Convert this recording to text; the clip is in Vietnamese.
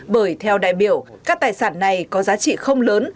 bởi theo đại biểu các tài sản này có giá trị không lớn